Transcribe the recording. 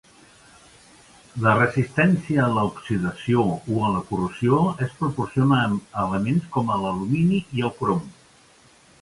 La resistència a l'oxidació o la corrosió es proporciona amb elements com l'alumini i el crom.